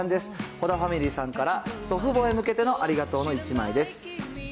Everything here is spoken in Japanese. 保田ファミリーさんから、祖父母へ向けてのありがとうの１枚です。